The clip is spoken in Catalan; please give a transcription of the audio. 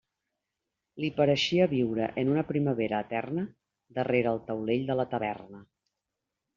Li pareixia viure en una primavera eterna darrere el taulell de la taverna.